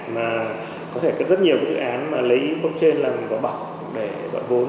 mà có thể rất nhiều dự án lấy blockchain làm bảo bảo để gọi vốn